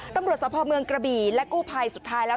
ตำรวจสภเมืองกระบี่และกู้ภัยสุดท้ายแล้ว